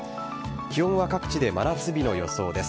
気温は各地で真夏日の予想です。